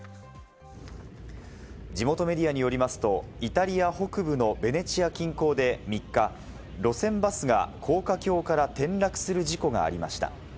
地元メディアによりますと、イタリア北部のベネチア近郊で３日、路線バスが高架橋から転落する事故がありました。